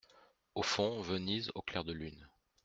Au fond, Venise au clair de lune.